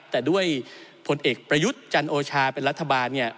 แต่ด้วยผลเอกประยุทธ์จันโอชาเป็นรัฐบาลเนี่ย